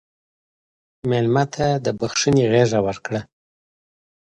مېلمه ته د بښنې غېږ ورکړه.